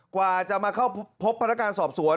กว่าจะมาเข้าพบภารการณ์สอบสวน